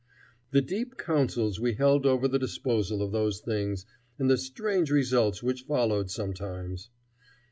The deep councils we held over the disposal of those things, and the strange results which followed sometimes!